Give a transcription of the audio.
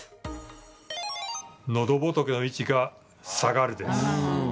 のどぼとけの位置が下がるです。